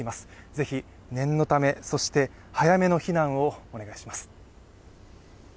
是非、念のためそして早めの避難をお願いします。